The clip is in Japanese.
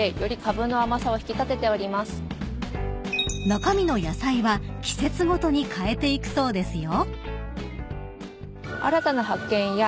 ［中身の野菜は季節ごとに変えていくそうですよ］